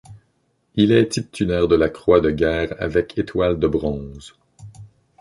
Il est titulaire de la Croix de guerre avec étoile de bronze.